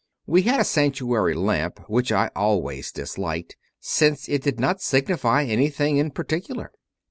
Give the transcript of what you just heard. We had a sanctuary lamp, which I always disliked, since it did not signify any thing in particular.